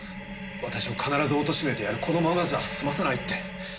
私を必ずおとしめてやるこのままじゃ済まさないって。